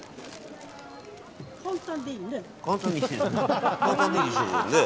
簡単でいいね。